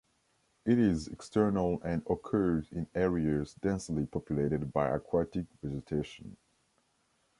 It is external and occurs in areas densely populated by aquatic vegetation.